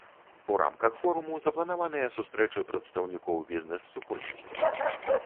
У рамках форуму запланаваныя сустрэчы прадстаўнікоў бізнэс-супольнасцяў.